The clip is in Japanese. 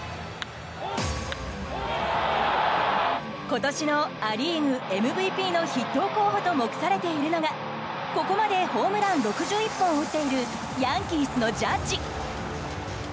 今年のア・リーグＭＶＰの筆頭候補と目されているのがここまでホームラン６１本を打っているヤンキースのジャッジ。